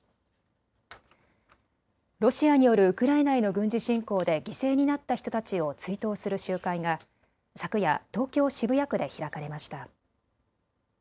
ロシアによるウクライナへの軍事侵攻で犠牲になった人たちを追悼する集会が昨夜、東京渋谷区で開かれました。